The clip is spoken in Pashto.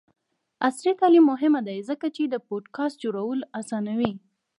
عصري تعلیم مهم دی ځکه چې د پوډکاسټ جوړولو اسانوي.